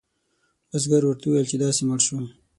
بزګر ورته وویل چې داسې مړ شو.